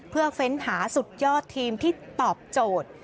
เพื่อเฟ้นหาสุดยอดทีมที่ตอบโจทย์